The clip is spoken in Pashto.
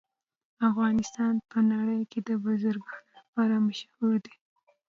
افغانستان په نړۍ کې د بزګانو لپاره مشهور دی.